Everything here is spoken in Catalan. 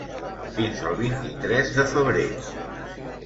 Fins el vint-i-tres de febrer.